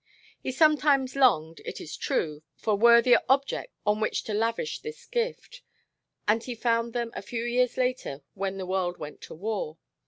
He sometimes longed, it is true, for worthier objects upon which to lavish this gift, and he found them a few years later when the world went to war.